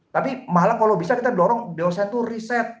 tapi malah kalau bisa kita dorong dosen itu riset